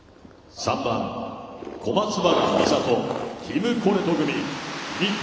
３番小松原美里、ティム・コレト組日本。